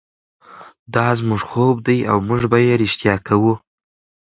دا زموږ خوب دی او موږ به یې ریښتیا کړو.